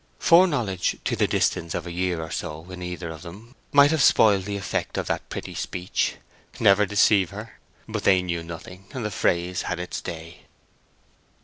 Foreknowledge to the distance of a year or so in either of them might have spoiled the effect of that pretty speech. Never deceive her! But they knew nothing, and the phrase had its day.